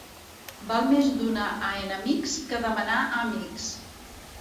Val més donar a enemics que demanar a amics.